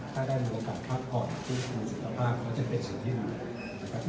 ถ้าได้มีโอกาสพักผ่อนที่มีสุขภาพก็จะเป็นสิ่งที่ดีนะครับ